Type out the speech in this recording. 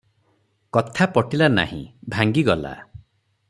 କଥା ପଟିଲା ନାହିଁ, ଭାଙ୍ଗିଗଲା ।